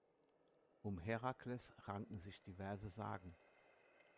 Um Herakles ranken sich diverse Sagen.